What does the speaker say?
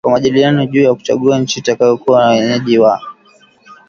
kwa majadiliano juu ya kuchagua nchi itakayokuwa mwenyeji wa